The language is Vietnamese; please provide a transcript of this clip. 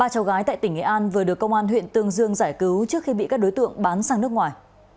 ba cháu gái tại tỉnh nghệ an vừa được công an huyện tương dương giải cứu trước khi bị các đối tượng bán sang nước ngoài